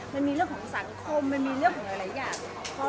มันมีเรื่องของสังคมมันมีเรื่องของหลายอย่าง